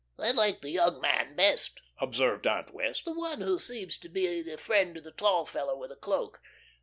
"I like the young man best," observed Aunt Wess'. "The one who seems to be the friend of the tall fellow with a cloak.